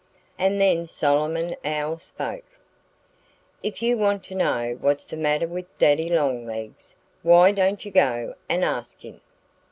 And then Solomon Owl spoke: "If you want to know what's the matter with Daddy Longlegs why don't you go and ask him?"